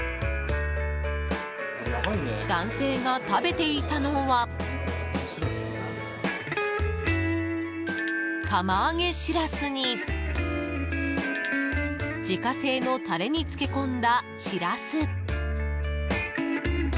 男性が食べていたのは釜揚げしらすに自家製のタレに漬け込んだしらす。